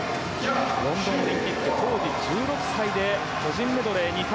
ロンドンオリンピック当時１６歳で個人メドレー２冠。